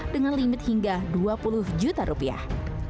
dengan limit hingga dua puluh juta rupiah